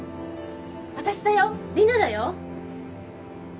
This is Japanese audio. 私だよ理那だよ。